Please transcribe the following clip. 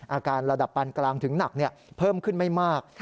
อาการระดับปานกลางถึงหนักเพิ่มขึ้นไม่มาก